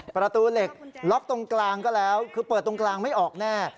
ประตูเหล็กล็อกตรงกลางก็แล้วคือเปิดตรงกลางไม่ออกแน่